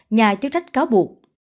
nhà chức trách cáo buộc